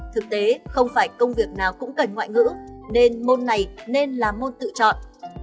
thực tế không phải công việc nào cũng cần ngoại ngữ nên môn này nên là môn tự chọn